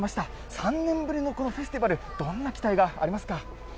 ３年ぶりのこのフェスティバル、どんな期待がありますか？